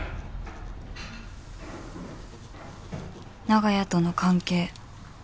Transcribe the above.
長屋との関係